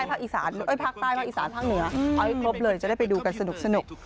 ภาคอีสานภาคใต้ภาคอีสานภาคเหนือเอาให้ครบเลยจะได้ไปดูกันสนุก